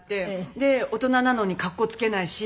で大人なのにかっこつけないし。